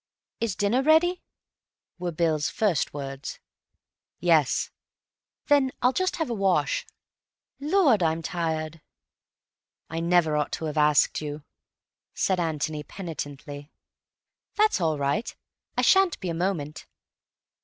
"Is dinner ready?" were Bill's first words. "Yes." "Then I'll just have a wash. Lord, I'm tired." "I never ought to have asked you," said Antony penitently. "That's all right. I shan't be a moment."